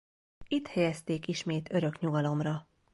Itt helyezték ismét örök nyugalomra.